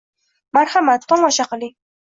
Marhamat tomosha kiling.